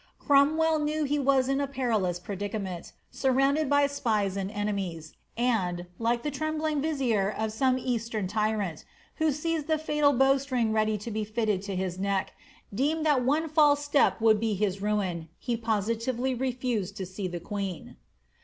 Cromwell knew he was in a perilous predicament, surrounded by spies and enemies, and, like the trembling vizier of some Eastern tyrant, wlio sees the fatal bowstring ready to be fitted to his neck, deemed that one false step would be his ruin^ — ^he positively refused to see the queen.